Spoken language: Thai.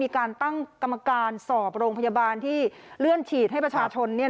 การตั้งกรรมการสอบโรงพยาบาลที่เลื่อนฉีดให้ประชาชน